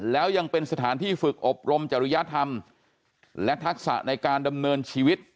แล้วยังเป็นสถานที่ฝึกอบรมจริยธรรมและทักษะในการดำเนินชีวิต